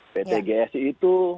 pt gsi itu